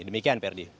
demikian pak herdi